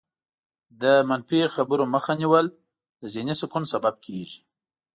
د منفي خبرو مخه نیول د ذهني سکون سبب کېږي.